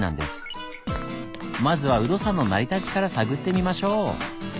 まずは有度山の成り立ちから探ってみましょう。